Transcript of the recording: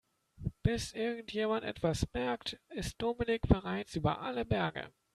Bis irgendjemand etwas merkt, ist Dominik bereits über alle Berge.